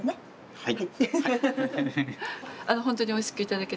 はい。